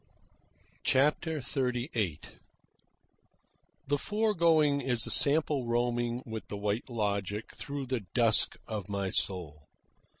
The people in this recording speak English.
'" CHAPTER XXXVIII The foregoing is a sample roaming with the White Logic through the dusk of my soul.